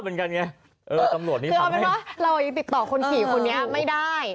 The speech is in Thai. เพราะว่าเรายังติดต่อคนขีคุณนี้ไม่ได้